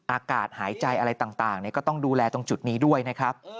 อากาศหายใจอะไรต่างก็ต้องดูแลตรงจุดนี้ด้วยนะครับ